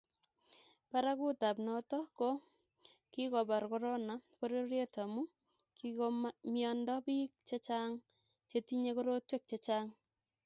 Barakutap noto ko kikobar korona pororiet amu kikomiando bik chechang chetinyei korotwek chechang